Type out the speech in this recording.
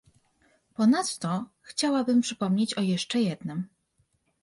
Ponadto chciałabym przypomnieć o jeszcze jednym